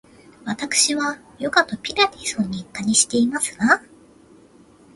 わたくしはヨガとピラティスを日課にしていますわ